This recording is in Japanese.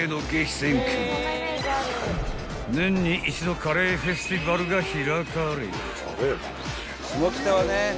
［年に一度カレーフェスティバルが開かれ］